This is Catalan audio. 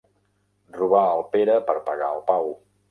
Robar al Pere per pagar al Pau.